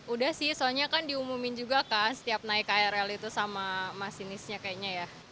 udah sih soalnya kan diumumin juga kan setiap naik krl itu sama masinisnya kayaknya ya